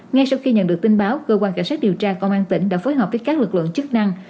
ngay sau khi nhận được tin báo cơ quan cảnh sát điều tra công an tỉnh đã phối hợp với các lực lượng chức năng